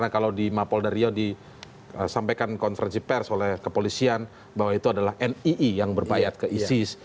kalau di mapolda rio disampaikan konferensi pers oleh kepolisian bahwa itu adalah nii yang berbayat ke isis